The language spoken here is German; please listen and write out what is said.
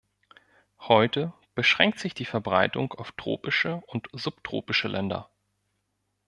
Heute beschränkt sich die Verbreitung auf tropische und subtropische Länder.